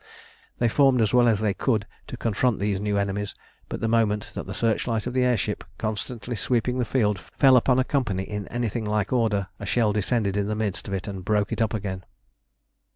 They formed as well as they could to confront these new enemies, but the moment that the searchlight of the air ship, constantly sweeping the field, fell upon a company in anything like order, a shell descended in the midst of it and broke it up again.